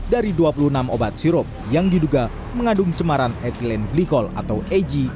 dari dua puluh enam obat sirup yang diduga mengandung cemaran etilen glikol atau eg